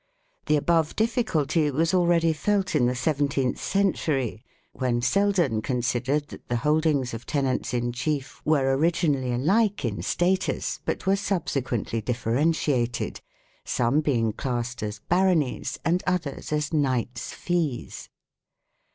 The above diffi culty was already felt in the seventeenth century, when Selden considered that the holdings of tenants in chief were originally alike in status, but were subsequently differentiated, some being classed as " baronies" and others as "knight's fees".